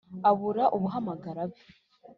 Abura ubuhamagara abe